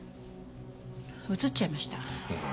うつっちゃいました。